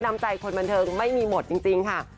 น้ำใจคนบันเทิงไม่มีหมดจริงค่ะ